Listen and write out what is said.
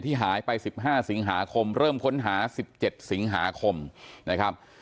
ที่หายไปสิบห้าสิงหาคมเริ่มค้นหาสิบเจ็ดสิงหาคมนะครับ